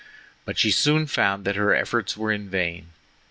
But she soon found that her efforts were in vain.